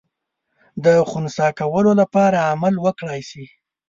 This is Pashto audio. د خنثی کولو لپاره عمل وکړای سي.